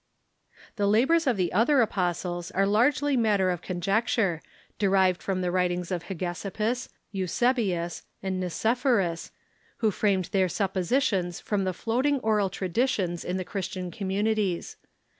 The labors of the other apostles are largely matter of con jecture, derived from the Avritings of Hegesippus, Eusebius, and Nicephorus, Avho framed their suppositions from The other ^| floating oral traditions in the Christian commu Apostles ..'^ nities.